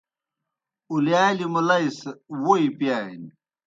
اُلِیالیْ مُلئی سہ ووئی پِیانیْ۔